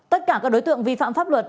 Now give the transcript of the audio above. tất cả các đối tượng vi phạm pháp luật